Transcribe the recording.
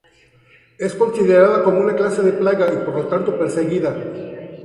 Es considerada como una clase de plaga y, por lo tanto, perseguida.